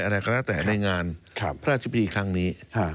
อะไรก็แล้วแต่ในงานพระราชพิธีครั้งนี้